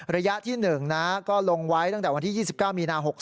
ระยะที่๑นะก็ลงไว้ตั้งแต่วันที่๒๙มีนา๖๓